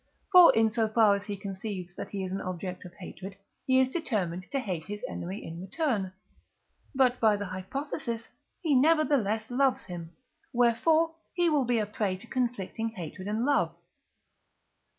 For, in so far as he conceives that he is an object of hatred, he is determined to hate his enemy in return. But, by the hypothesis, he nevertheless loves him: wherefore he will be a prey to conflicting hatred and love.